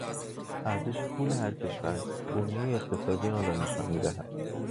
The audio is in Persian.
ارزش پول هر کشور بنیهی اقتصادی آن را نشان میدهد.